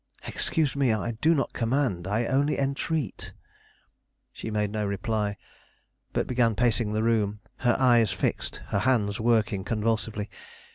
"Excuse me, I do not command; I only entreat." She made no reply, but began pacing the room, her eyes fixed, her hands working convulsively.